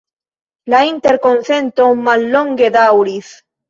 La interkonsento mallonge daŭris.